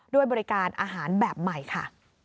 ด้วยบริการอาหารแบบใหม่ค่ะ